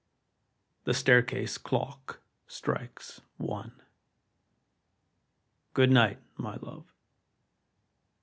The staircase clock strikes one. Good night, my love!